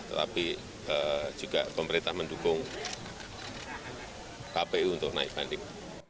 tetapi juga pemerintah mendukung kpu untuk naik banding